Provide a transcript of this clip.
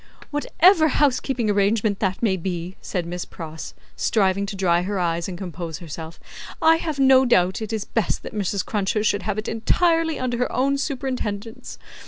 "Whatever housekeeping arrangement that may be," said Miss Pross, striving to dry her eyes and compose herself, "I have no doubt it is best that Mrs. Cruncher should have it entirely under her own superintendence.